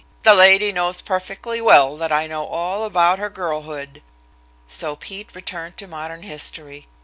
"The lady knows perfectly well that I know all about her girlhood," so Pete returned to modern history.